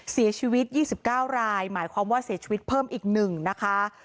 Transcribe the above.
เสียชีวิต๒๙รายหมายความว่าเสียชีวิตเพิ่มอีก๑นะคะ